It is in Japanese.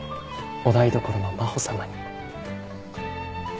お台所のマホ様に。